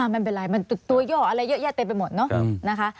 ไม่เป็นไรมันตัวย่ออะไรเยอะแยะเต็มไปหมดเนอะนะคะ